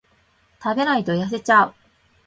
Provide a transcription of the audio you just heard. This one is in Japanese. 食べないと痩せちゃう